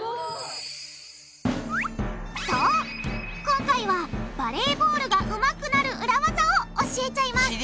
今回はバレーボールがうまくなる裏ワザを教えちゃいます！